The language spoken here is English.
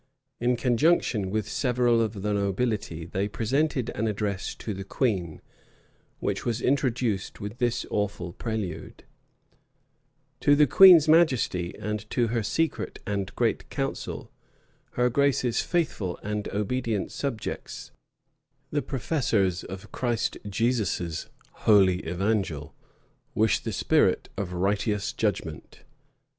In conjunction with several of the nobility, they presented an address to the queen, which was introduced with this awful prelude: "To the queen's majesty, and to her secret and great council, her grace's faithful and obedient subjects, the professors of Christ Jesus's holy evangil, wish the spirit of righteous judgment."